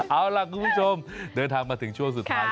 เอาล่ะคุณผู้ชมเดินทางมาถึงช่วงสุดท้าย